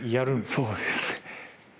そうですね。